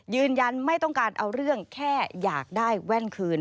ยืนยันไม่ต้องการเอาเรื่องแค่อยากได้แว่นคืน